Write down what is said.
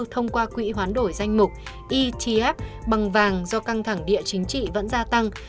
thông qua quỹ hoán đổi danh mục etf bằng vàng do căng thẳng địa chính trị vẫn gia tăng